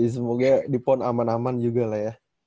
semoga di pon aman aman juga lah ya